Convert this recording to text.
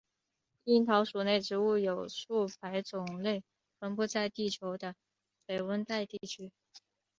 樱桃属内植物有数百种类分布在地球的北温带地区。